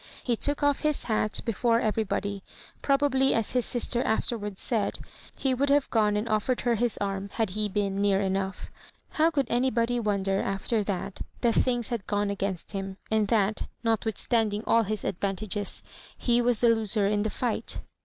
He took off his hat before everybody; probably, as his sister afterwards said, he would have gone and offered her his arm had he been near enough. How could anybody wonder, after that, that things had gone against him, and that, notwithstanding all his advantages, he was the loser in the fight